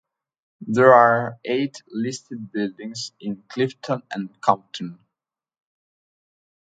There are eight listed buildings in Clifton and Compton.